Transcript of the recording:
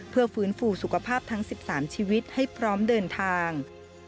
เพื่อฟื้นฟูสุขภาพทั้ง๑๓ชีวิตให้พร้อมเดินทาง